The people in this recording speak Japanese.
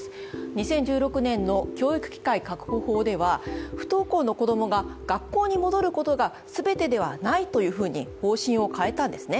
２０１６年の教育機会確保法では不登校の子供が学校に戻ることが全てではないというふうに方針を変えたんですね。